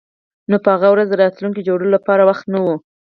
نو په هغه ورځ د راتلونکي جوړولو لپاره وخت نه و